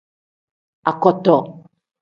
Akoto.